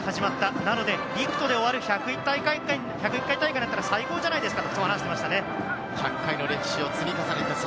なので、陸斗で終わる１０１回大会だったら最高じゃないですかと話しています。